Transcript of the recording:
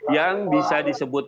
yang bisa disebut